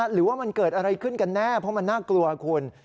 หรือว่ามันเกิดอะไรขึ้นกันแน่เพราะมันน่ากลัวคุณ